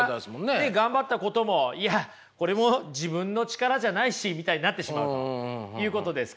自分が頑張ったこともいやこれも自分の力じゃないしみたいになってしまうということですか？